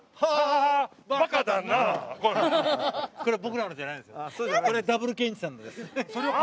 これ僕らのじゃないんですよ。